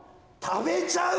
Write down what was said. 食べられちゃう。